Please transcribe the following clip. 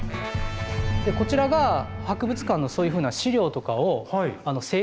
こちらが博物館のそういうふうな資料とかを整理する場所なんです。